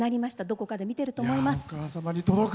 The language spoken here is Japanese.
どこかで見てると思います。